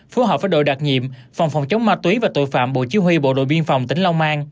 phối hợp với đội đặc nhiệm phòng phòng chống ma túy và tội phạm bộ chi huy bộ đội biên phòng tỉnh long an